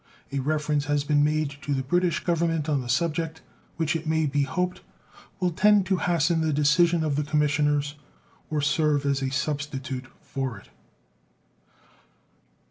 A reference has been made to the British Government on the subject, which, it may be hoped, will tend to hasten the decision of the commissioners, or serve as a substitute for it.